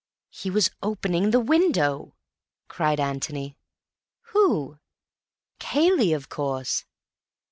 "He was opening the window!" cried Antony. "Who?" "Cayley, of course."